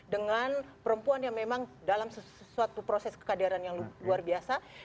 dengan perempuan yang memang dalam suatu proses kekaderan yang luar biasa